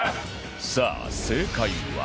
さあ正解は？